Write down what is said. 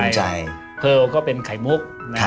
ภูมิใจเพิร์ลก็เป็นไข่มุก